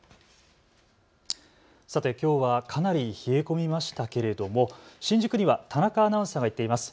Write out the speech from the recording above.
さて、きょうはかなり冷え込みましたけれども新宿には田中アナウンサーが行っています。